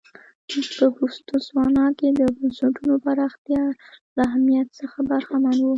په بوتسوانا کې د بنسټونو پراختیا له اهمیت څخه برخمن و.